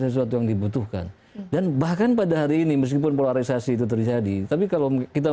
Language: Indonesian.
sesuatu yang dibutuhkan dan bahkan pada hari ini meskipun polarisasi itu terjadi tapi kalau kita